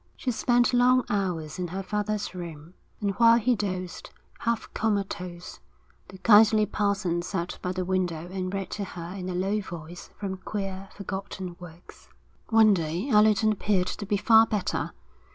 She spent long hours in her father's room; and while he dozed, half comatose, the kindly parson sat by the window and read to her in a low voice from queer, forgotten works. One day Allerton appeared to be far better.